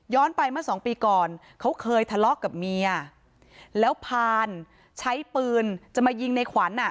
ไปเมื่อสองปีก่อนเขาเคยทะเลาะกับเมียแล้วพานใช้ปืนจะมายิงในขวัญอ่ะ